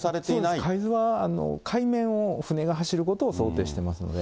そうです、海図は海面を船が走ることを想定してますので。